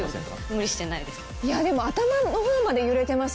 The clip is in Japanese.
無理してないです。